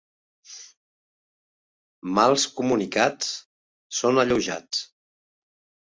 Mals comunicats són alleujats.